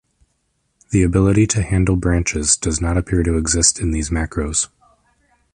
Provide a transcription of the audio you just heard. The ability to handle branches does not appear to exist in these macros.